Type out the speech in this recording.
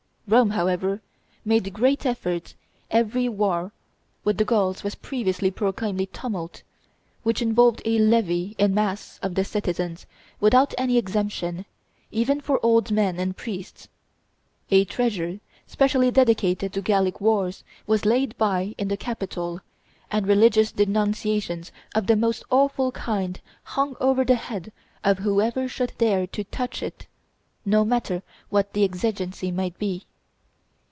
Rome, however, made great efforts, every war with the Gauls was previously proclaimed a tumult, which involved a levy in mass of the citizens, without any exemption, even for old men and priests. A treasure, specially dedicated to Gallic wars, was laid by in the Capitol, and religious denunciations of the most awful kind hung over the head of whoever should dare to touch it, no matter what the exigency might be.